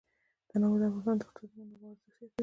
تنوع د افغانستان د اقتصادي منابعو ارزښت زیاتوي.